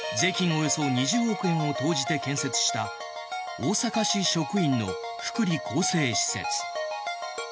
およそ２０億円を投じて建設した大阪市職員の福利厚生施設。